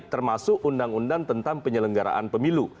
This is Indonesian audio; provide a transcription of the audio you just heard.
termasuk undang undang tentang penyelenggaraan pemilu